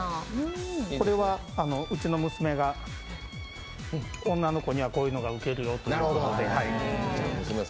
これはうちの娘が、女の子にはこういうのが受けるよということで。